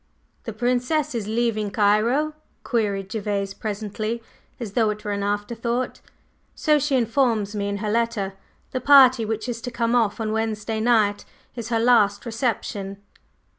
"The Princess is leaving Cairo?" queried Gervase presently, as though it were an afterthought. "So she informs me in her letter. The party which is to come off on Wednesday night is her last reception."